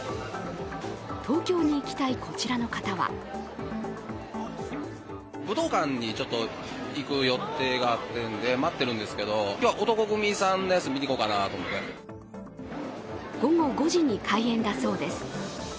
東京に行きたいこちらの方は午後５時に開演だそうです。